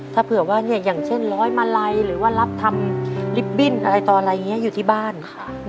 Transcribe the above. ถ้าเผื่อว่าอย่างเช่นร้อยมาลัยหรือว่ารับทำลิฟตบิ้นอะไรต่ออะไรอย่างนี้อยู่ที่บ้าน